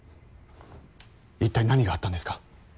いったい何があったんですか？